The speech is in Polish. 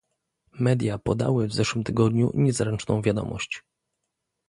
Media podały w zeszłym tygodniu niezręczną wiadomość